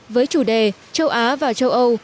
với chủ đề châu á và châu âu